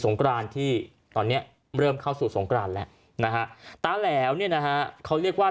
งกรานที่ตอนนี้เริ่มเข้าสู่สงกรานแล้วนะฮะตาแหลวเนี่ยนะฮะเขาเรียกว่า